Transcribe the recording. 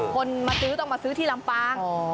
คนมาซื้อต้องมาซื้อที่ลำปาง